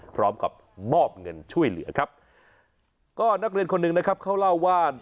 พร้อมกับมอบเงินช่วยเหลือครับก็นักเรียนคนหนึ่งนะครับเขาเล่าว่า